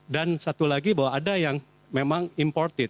dan satu lagi bahwa ada yang memang imported